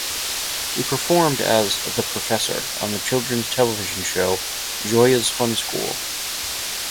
He performed as "The Professor" on the children's television show Joya's Fun School.